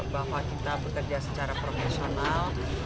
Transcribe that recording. bahwa kita bekerja secara profesional